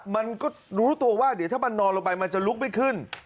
มันก็รู้ตัวว่าเดี๋ยวถ้ามันนอนลงไปมันจะลุกไม่ขึ้น